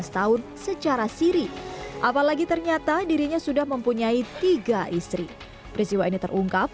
tahun secara siri apalagi ternyata dirinya sudah mempunyai tiga istri peristiwa ini terungkap